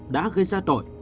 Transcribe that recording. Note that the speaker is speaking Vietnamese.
đã gây ra tội